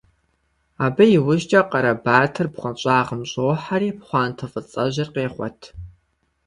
Абы иужькӀэ Къарэбатыр бгъуэнщӀагъым щӀохьэри пхъуантэ фӀыцӀэжьыр къегъуэт.